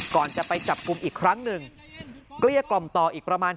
ก่อนจะไปจับกลุ่มอีกครั้งหนึ่งเกลี้ยกล่อมต่ออีกประมาณ